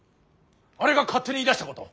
あれが勝手に言いだしたこと。